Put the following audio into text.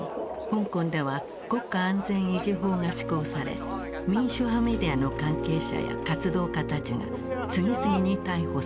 香港では国家安全維持法が施行され民主派メディアの関係者や活動家たちが次々に逮捕されていった。